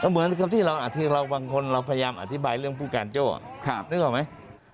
เหมือนกับที่เราบางคนเราพยายามอธิบายเรื่องผู้การโจ้นึกออกไหม